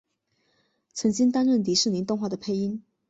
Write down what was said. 曾经担任迪士尼动画的配音。